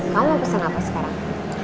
kamu mau pesen apa sekarang